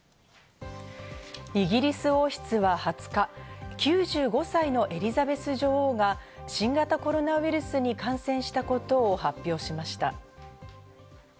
イギリス王室は２０日、９５歳のエリザベス女王が新型コロナウイルスに感染したことを発表しました。